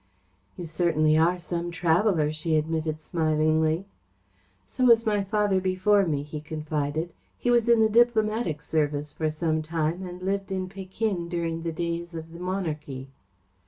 "You certainly are some traveller," she admitted smilingly. "So was my father before me," he confided. "He was in the Diplomatic Service for some time, and lived in Pekin during the days of the Monarchy."